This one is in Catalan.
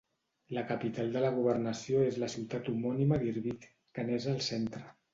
La capital de la governació és la ciutat homònima d'Irbid, que n'és al centre.